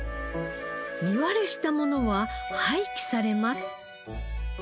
実割れしたものは廃棄されます。